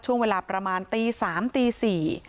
ช่วงเวลาประมาณตีสามตีสี่